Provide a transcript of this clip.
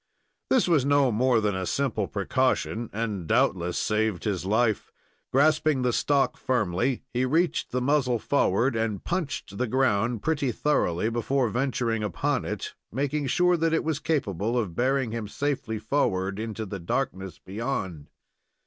This was no more than a simple precaution, and doubtless saved his life. Grasping the stock firmly, he reached the muzzle forward, and "punched" the ground pretty thoroughly before venturing upon it, making sure that it was capable of bearing him safely forward into the darkness beyond.